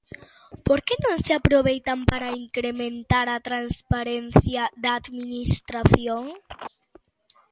¿Por que non se aproveitan para incrementar a transparencia da Administración?